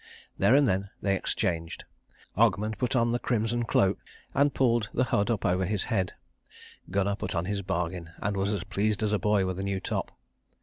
There and then they exchanged. Ogmund put on the crimson cloak, and pulled the hood up over his head; Gunnar put on his bargain and was as pleased as a boy with a new top.